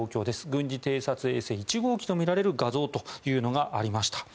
軍事偵察衛星１号機とみられる画像というのがありました。